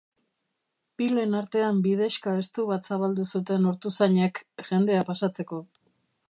Pilen artean bidexka estu bat zabaldu zuten ortuzainek, jendea pasatzeko.